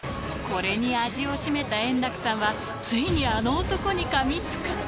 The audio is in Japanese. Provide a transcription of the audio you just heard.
これに味を占めた円楽さんは、ついに、あの男にかみつく。